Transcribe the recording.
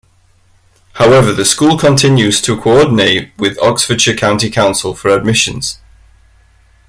However the school continues to coordinate with Oxfordshire County Council for admissions.